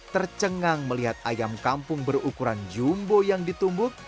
tercengang melihat ayam kampung berukuran jumbo yang ditumbuk